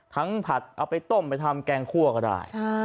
ผัดเอาไปต้มไปทำแกงคั่วก็ได้